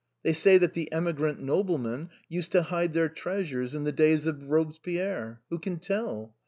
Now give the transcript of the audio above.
They say that the emigrant noblemen used to hide their treasures in the days of Robespierre. Who can tell?